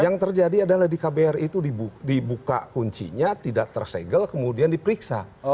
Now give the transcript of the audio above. yang terjadi adalah di kbri itu dibuka kuncinya tidak tersegel kemudian diperiksa